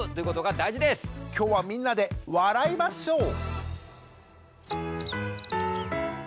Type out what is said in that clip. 今日はみんなで笑いましょう！